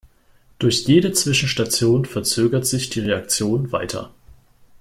Durch jede Zwischenstation verzögert sich die Reaktion weiter.